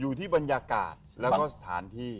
อยู่ที่บรรยากาศแล้วก็สถานที่